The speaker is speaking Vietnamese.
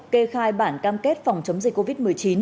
kê khai bản cam kết phòng chống dịch covid một mươi chín